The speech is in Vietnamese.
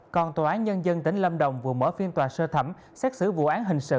còn tòa án nhân dân tỉnh lâm đồng vừa mở phiên tòa sơ thẩm xét xử vụ án hình sự